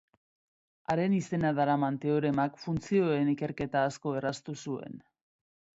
Haren izena daraman teoremak funtzioen ikerketa asko erraztu zuen.